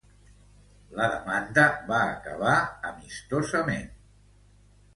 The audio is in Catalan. La demanda va acabar amigablement.